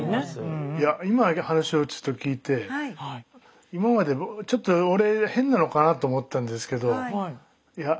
いや今の話をちょっと聞いて今までちょっと俺変なのかなと思ってたんですけどいや